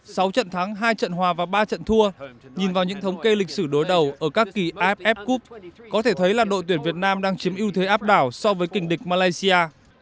sau trận thắng hai trận hòa và ba trận thua nhìn vào những thống kê lịch sử đối đầu ở các kỳ iff cup có thể thấy là đội tuyển việt nam đang chiếm ưu thế áp đảo so với kỳnh địch malaysia